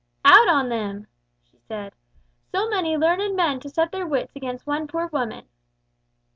"Out on them!" she said. "So many learned men to set their wits against one poor woman!"